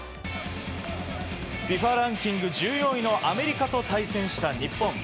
ランキング１４位のアメリカと対戦した日本。